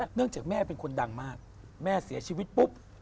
เนื่องจากแม่เป็นคนดังมากแม่เสียชีวิตปุ๊บ